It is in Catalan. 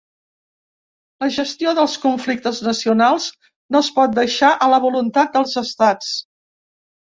La gestió dels conflictes nacionals no es pot deixar a la voluntat dels estats.